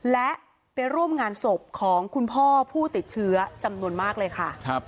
และไปร่วมงานศพของคุณพ่อผู้ติดเชื้อจำนวนมากเลยค่ะ